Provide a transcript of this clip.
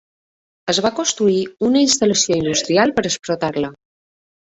Es va construir una instal·lació industrial per explotar-la.